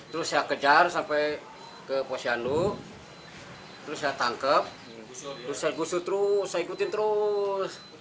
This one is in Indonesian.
terus saya kejar sampai ke posyandu terus saya tangkap terus saya gusut terus saya ikutin terus